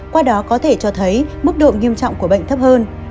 qua đó có thể cho thấy mức độ nghiêm trọng của bệnh thấp hơn